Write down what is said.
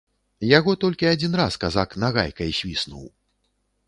Яго толькі адзін раз казак нагайкай свіснуў.